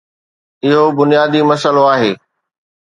اهو بنيادي مسئلو آهي